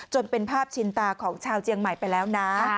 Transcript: จนเป็นภาพชินตาของชาวเจียงใหม่ไปแล้วนะ